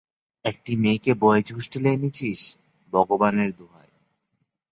একটা মেয়েকে বয়েজ হোস্টেলে এনেছিস, ভগবানের দোহাই।